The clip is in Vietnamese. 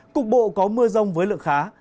cục bộ có mưa rông với lượng khá